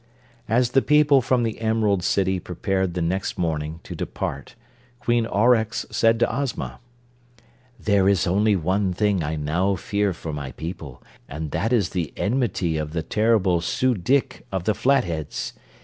As the people from the Emerald City prepared the next morning to depart Queen Aurex said to Ozma: "There is only one thing I now fear for my people, and that is the enmity of the terrible Su dic of the Flatheads.